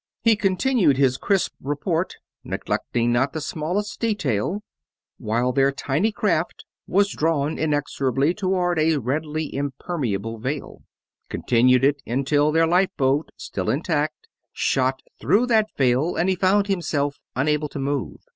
He continued his crisp report, neglecting not the smallest detail, while their tiny craft was drawn inexorably toward a redly impermeable veil; continued it until their lifeboat, still intact, shot through that veil and he found himself unable to move.